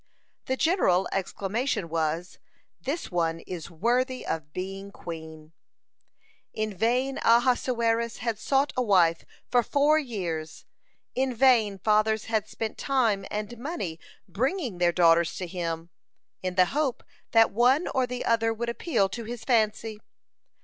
The general exclamation was: "This one is worthy of being queen." (71) In vain Ahasuerus had sought a wife for four years, in vain fathers had spent time and money bringing their daughters to him, in the hope that one or the other would appeal to his fancy.